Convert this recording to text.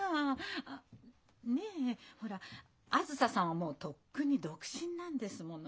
あっねえほらあづささんはもうとっくに独身なんですもの。